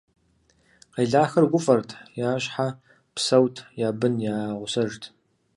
Къелахэр гуфӀэрт, я щхьэ псэут, я бын я гъусэжт.